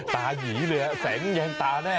สณาห่ายหลีเส็งแย่งตาแน่